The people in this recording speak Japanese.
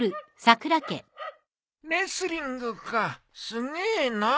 レスリングかすげえなあ。